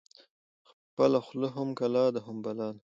خپله خوله هم کلا ده، هم بلا